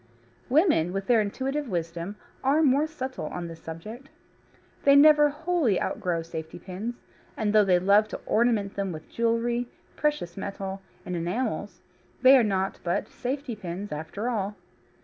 Women, with their intuitive wisdom, are more subtle in this subject. They never wholly outgrow safety pins, and though they love to ornament them with jewellery, precious metal, and enamels, they are naught but safety pins after all.